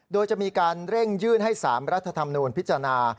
โดยจะมีการเร่งยื่นให้๓รัฐธรรมนูญพิจารณา